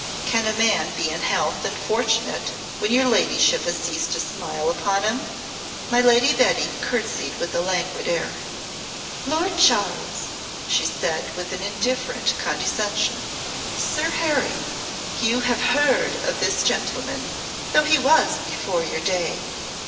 "Can a man be in health and fortunate when your ladyship has ceased to smile upon him?" My Lady Betty courtesied with a languid air. "Lord Charles," she said, with indifferent condescension, "Sir Harry, you have heard of this gentleman, though he was before your day.